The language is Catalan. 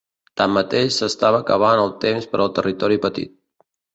Tanmateix, s'estava acabant el temps per al territori petit.